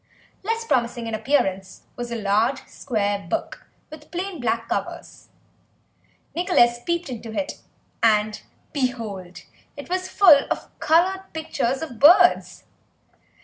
Less promising in appearance was a large square book with plain black covers; Nicholas peeped into it, and, behold, it was full of coloured pictures of birds.